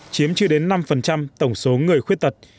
chiếm chưa đến năm tổng số người khuyết tật